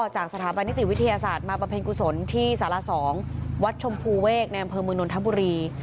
จากสถาบันนิติวิทยาศาสตร์มาบำเพ็ญกุศลที่สาร๒วัดชมพูเวกในอำเภอเมืองนนทบุรี